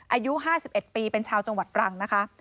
อายุ๕๑ปีเป็นชาวจังหวัดตรังนะคะ